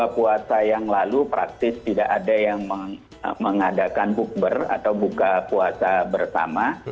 puasa yang lalu praktis tidak ada yang mengadakan bukber atau buka puasa bersama